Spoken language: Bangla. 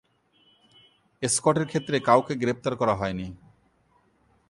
স্কটের ক্ষেত্রে কাউকে গ্রেপ্তার করা হয়নি।